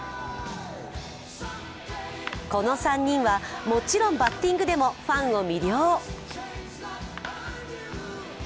この３人はもちろんバッティングでもファンを魅了。